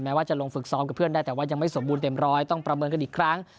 ว่าจะลงฝึกซ้อมกับเพื่อนได้แต่ว่ายังไม่สมบูรณเต็มร้อยต้องประเมินกันอีกครั้ง